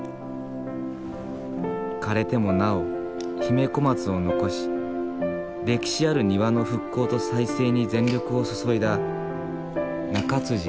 枯れてもなお姫小松を残し歴史ある庭の復興と再生に全力を注いだ中栄一さん。